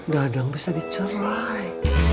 dadang bisa dicerai